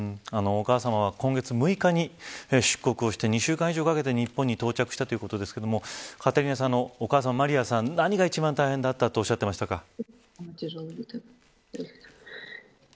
お母さまは今月６日に出国して２週間以上かけて日本に到着したということですがカテリーナさんお母さんマリヤさん何が一番大変だったとおっしゃっていましたか。